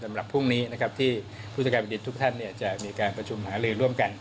สำหรับพรุ่งนี้นะครับที่ผู้จัดการแผ่นดินทุกท่านจะมีการประชุมหาลือร่วมกัน